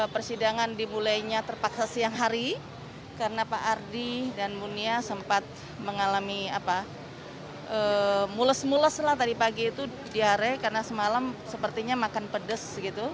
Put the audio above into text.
persidangan dimulainya terpaksa siang hari karena pak ardi dan munia sempat mengalami mules mules lah tadi pagi itu diare karena semalam sepertinya makan pedes gitu